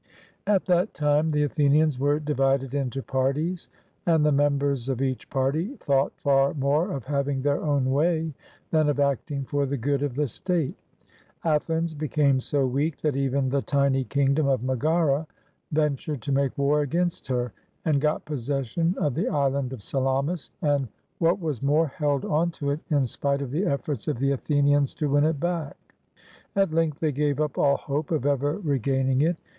At that time the Athenians were divided into parties, and the members of each party thought far more of having their own way than of acting for the good of the state. Athens became so weak that even the tiny king dom of Megara ventured to make war against her, and got possession of the island of Salamis, and, what was 55 GREECE more, held on to it in spite of the efforts of the Athenians to win it back. At length they gave up all hope of ever regaining it.